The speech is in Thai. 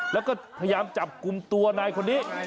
แล้วก็พยายามจับกลุ่มตัวนายคนนี้